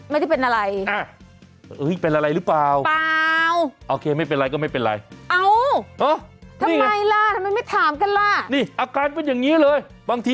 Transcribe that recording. ไม่ได้เป็นอะไร